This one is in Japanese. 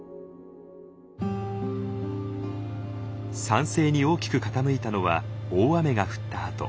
酸性に大きく傾いたのは大雨が降ったあと。